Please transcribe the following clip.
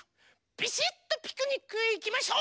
ビシッとピクニックへいきましょう！